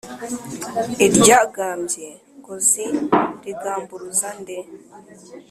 iryagambye ngozi rigamburuza nde !